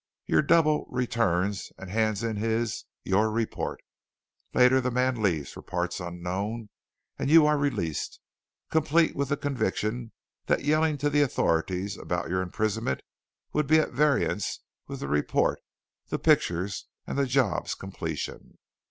Your double returns and hands in his your report. Later the man leaves for parts unknown and you are released, complete with the conviction that yelling to the Authorities about your imprisonment would be at variance with the report, the pictures, and the job's completion.